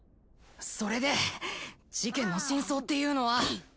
それで事件の真相っていうのは？